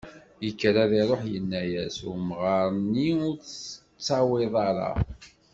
Yekker ad iruḥ yenna-as, umɣar-nni ur tt-tettawiḍ ara.